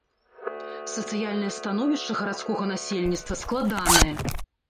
Сацыяльная становішча гарадскога насельніцтва складанае.